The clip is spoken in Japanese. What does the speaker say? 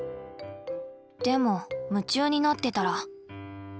でも夢中になってたら。